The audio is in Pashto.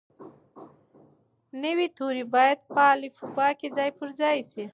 نوي توري باید په الفبې کې ځای پر ځای شي.